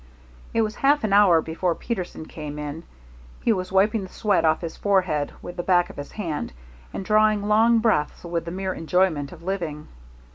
It was half an hour before Peterson came in. He was wiping the sweat off his forehead with the back of his hand, and drawing long breaths with the mere enjoyment of living.